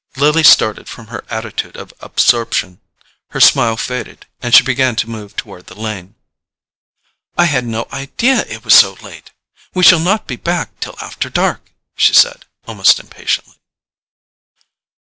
Lily started from her attitude of absorption; her smile faded and she began to move toward the lane. "I had no idea it was so late! We shall not be back till after dark," she said, almost impatiently.